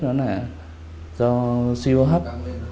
đó là do siêu hấp